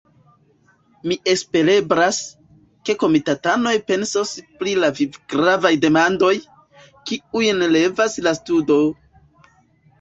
Mi espereblas, ke komitatanoj pensos pri la vivgravaj demandoj, kiujn levas la studo!